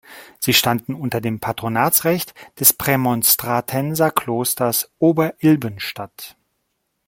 Sie stand unter dem Patronatsrecht des Prämonstratenserklosters Ober-Ilbenstadt.